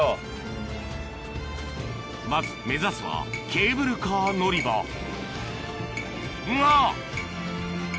まず目指すはケーブルカー乗り場が！